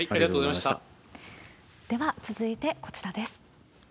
では続いて、こちらです。